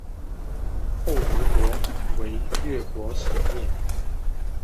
后吴国为越国所灭。